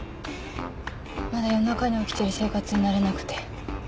まだ夜中に起きてる生活に慣れなくて。